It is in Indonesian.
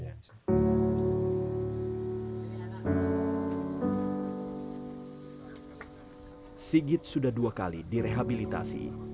sigit sudah dua kali direhabilitasi